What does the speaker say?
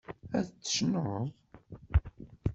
Ad tecnuḍ?